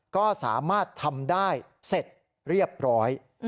ก็สามารถทำได้เสร็จเรียบร้อย